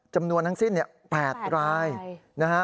จำนวนทั้งสิ้น๘รายนะฮะ